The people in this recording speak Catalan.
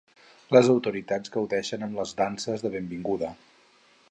Les autoritats gaudeixen amb les danses de benvinguda.